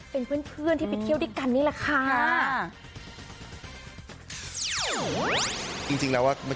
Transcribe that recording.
เป็นเพื่อนที่ไปเที่ยวด้วยกันนี่แหละค่ะ